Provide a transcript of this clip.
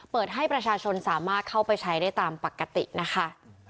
เปิดให้ประชาชนสามารถเข้าไปใช้ได้ตามปกตินะคะ